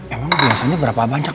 emang biasanya berapa banyak